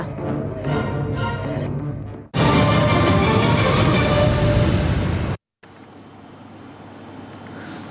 tiêm bão khẩn cấp